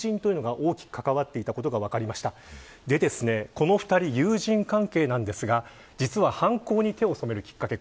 この２人、友人関係なんですが犯行に手を染めるきっかけ